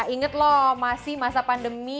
ingat loh masih masa pandemi